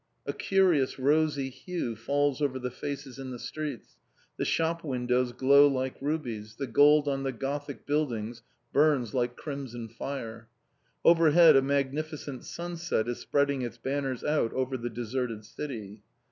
A curious rosy hue falls over the faces in the streets, the shop windows glow like rubies, the gold on the Gothic buildings burns like crimson fire. Overhead a magnificent sunset is spreading its banners out over the deserted city.